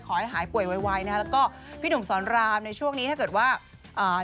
ขอให้หายป่วยไวนะฮะ